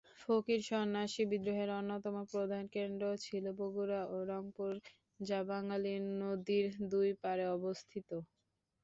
ফকির-সন্ন্যাসী বিদ্রোহের অন্যতম প্রধান কেন্দ্র ছিল বগুড়া ও রংপুর, যা বাঙালি নদীর দুই পাড়ে অবস্থিত।